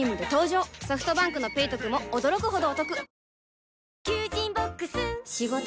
ソフトバンクの「ペイトク」も驚くほどおトク